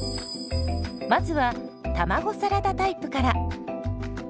まずは卵サラダタイプから。